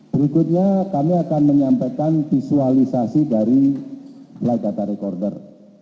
berikutnya kami akan menyampaikan visualisasi dari flight data recorder